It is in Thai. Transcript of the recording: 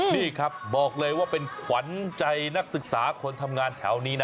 นี่ครับบอกเลยว่าเป็นขวัญใจนักศึกษาคนทำงานแถวนี้นะ